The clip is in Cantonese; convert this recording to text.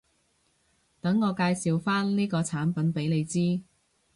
等我介紹返呢個產品畀你知